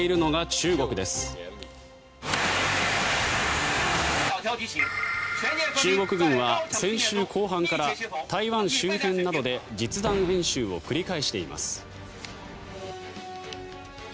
中国軍は先週後半から台湾周辺などで実弾演習を繰り返しています。